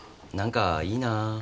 何かいいなぁ。